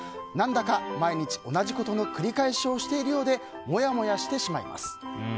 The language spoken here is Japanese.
何だか毎日、同じことの繰り返しをしているようでモヤモヤしてしまいます。